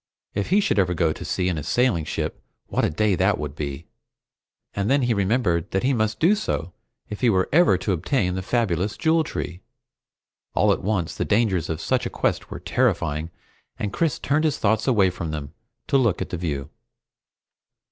If he should ever go to sea in a sailing ship, what a day that would be! And then he remembered that he must do so if he were ever to obtain the fabulous Jewel Tree. All at once the dangers of such a quest were terrifying, and Chris turned his thoughts away from them to look at the view.